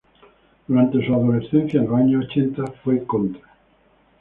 Durante su adolescencia, en los años ochentas, fue Contra.